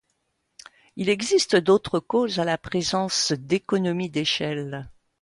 Il existe d'autres causes à la présence d'économies d'échelle.